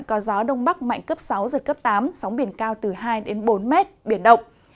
có gió đông bắc mạnh cấp sáu giật cấp tám sóng biển cao từ hai bốn m biển động